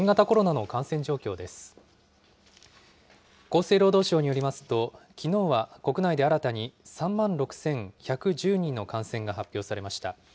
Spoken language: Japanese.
厚生労働省によりますと、きのうは国内で新たに、３万６１１０人の感染が発表されました。